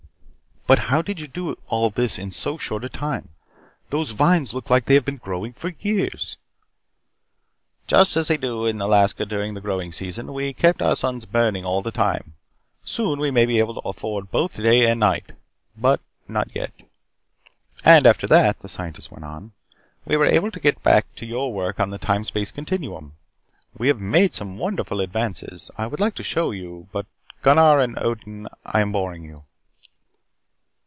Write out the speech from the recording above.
"But how did you do all this in so short a time? Those vines look like they have been growing for years." "Just as they do in Alaska during the growing season. We kept our suns burning all the time. Soon we may be able to afford both day and night, but not yet. "And after that," the Scientist went on, "we were able to get back to your work on the Time Space Continuum. We have made some wonderful advances. I would like to show you but Gunnar and Odin, I am boring you."